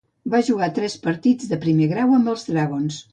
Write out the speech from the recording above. Va jugar tres partits de primer grau amb els Dragons.